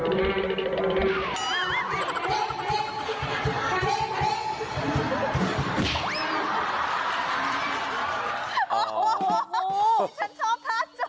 แตะก็เด้นเลย